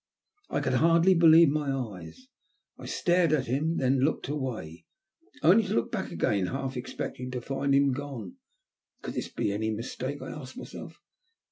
1 could hardly believe my eyes ; I stared at him and then looked away — only to look back again half expect ing to find him gone. Could this be any mistake? I asked myself.